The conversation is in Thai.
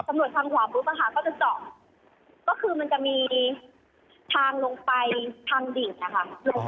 บุ๊บนะคะก็จะเจาะก็คือมันจะมีทางลงไปทางดิ่งนะคะ